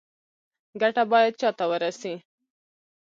ګټه باید چا ته ورسي؟